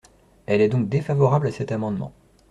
Elle est donc défavorable à cet amendement.